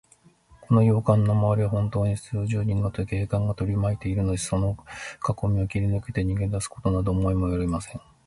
この洋館のまわりは、ほんとうに数十人の警官隊がとりまいているのです。そのかこみを切りぬけて、逃げだすことなど思いもおよびません。